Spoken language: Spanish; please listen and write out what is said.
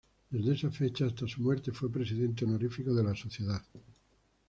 Desde esa fecha hasta su muerte fue presidente honorífico de la sociedad.